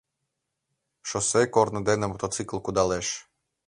Шоссе корно дене мотоцикл кудалеш.